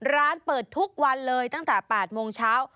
ร้านเปิดทุกวันเลยตั้งแต่๘โมงเช้า